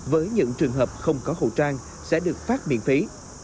với những trường hợp không có khẩu trang sẽ được phát miễn phí